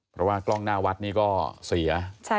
เพราะว่ากล้องหน้าวัดนี่ก็เสีย